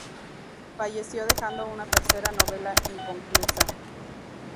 Falleció dejando una tercera novela inconclusa.